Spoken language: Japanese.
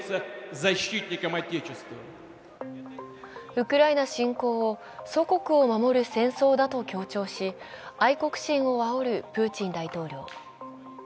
ウクライナ侵攻を祖国を守る戦争だと強調し愛国心をあおるプーチン大統領。